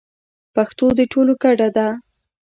پښتو د ټولو ګډه ده.